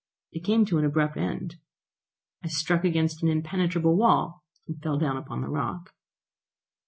It came to an abrupt end. I struck against an impenetrable wall, and fell down upon the rock.